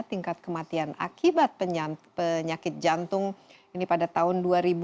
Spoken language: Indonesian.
tingkat kematian akibat penyakit jantung ini pada tahun dua ribu dua